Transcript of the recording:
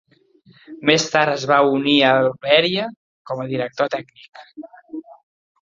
Més tard es va unir al Veria com a director tècnic.